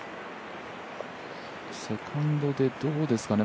セカンドでどうですかね